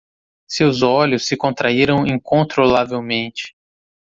Seus olhos se contraíram incontrolavelmente.